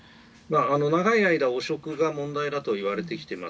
長い間、汚職が問題だといわれてきています。